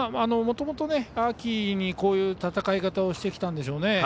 もともと、秋にこういう戦い方をしてきたんでしょうね。